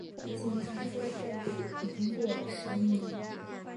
微型传说的战斗已经过了十年。